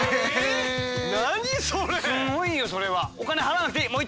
すごいね。